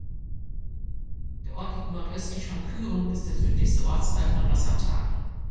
Der Ort liegt nordöstlich von Kühren und ist der südlichste Ortsteil von Lossatal.